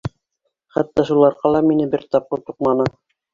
Хатта шул арҡала мине бер тапҡыр туҡманы.